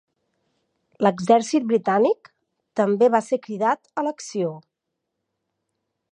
L'exèrcit britànic també va ser cridat a l'acció.